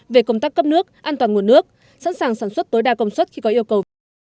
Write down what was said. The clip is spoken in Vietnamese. về công tác cấp nước an toàn nguồn nước sẵn sàng sản xuất tối đa công suất khi có yêu cầu